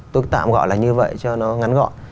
tôi tạm gọi là như vậy cho nó ngắn gọn